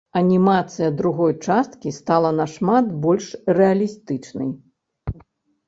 Анімацыя другой часткі стала нашмат больш рэалістычнай.